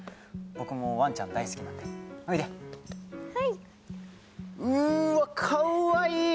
僕もワンちゃん大好きなんでおいではいうわかわいい！